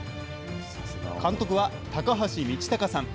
監督は高橋道尊さん。